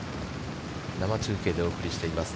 生中継でお送りしています